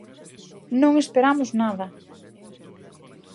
¡Non esperamos nada!